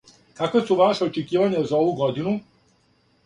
Каква су ваша очекивања за ову годину?